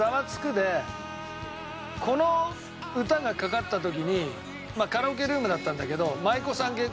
この歌がかかった時にカラオケルームだったんだけど。っていう話をしたんです。